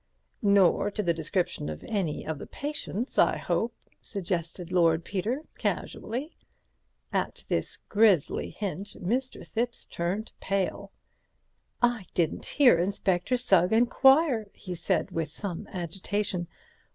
"Nor to the description of any of the patients, I hope," suggested Lord Peter casually. At this grisly hint Mr. Thipps turned pale. "I didn't hear Inspector Sugg enquire," he said, with some agitation.